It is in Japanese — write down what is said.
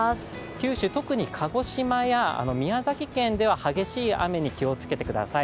九州、特に鹿児島や宮崎県では激しい雨に気をつけてください。